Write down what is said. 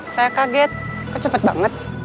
saya kaget kok cepet banget